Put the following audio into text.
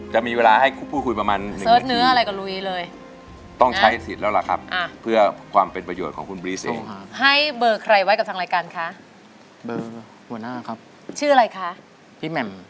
จะมีเวลาให้คู่คุยประมาณ๑นาทิตม